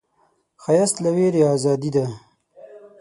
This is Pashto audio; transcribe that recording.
ښایست له ویرې ازادي ده